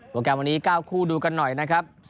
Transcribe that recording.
แกรมวันนี้๙คู่ดูกันหน่อยนะครับ